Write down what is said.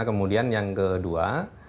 kemudian yang kedua